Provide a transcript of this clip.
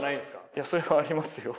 いやそれはありますよ。